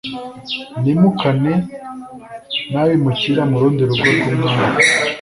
nimukane nabimukira murundi rugo rw’umwami"